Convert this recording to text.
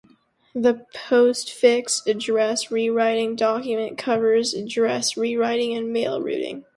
The Postfix Address Rewriting document covers address rewriting and mail routing.